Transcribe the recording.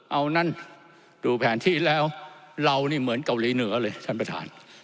เอานั่นดูแผนที่แล้วเรานี่เหมือนเกาหลีเหนือเลยท่านประธาน